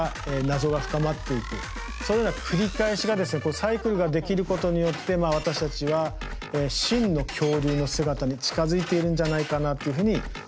サイクルができることによって私たちは真の恐竜の姿に近づいているんじゃないかなっていうふうに思っています。